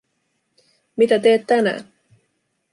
Mitä teet tänään?